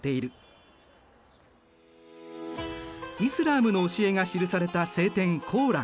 イスラームの教えが記された聖典「コーラン」。